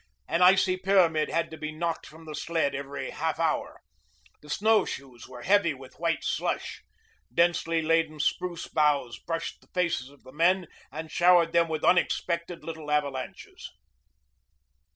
An icy pyramid had to be knocked from the sled every half hour. The snowshoes were heavy with white slush. Densely laden spruce boughs brushed the faces of the men and showered them with unexpected little avalanches.